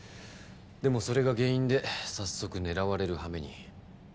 でもそれが原因で早速狙われる羽目に。